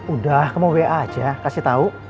udah kamu wa aja kasih tau